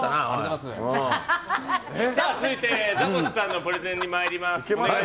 続いて、ザコシさんのプレゼンに参ります。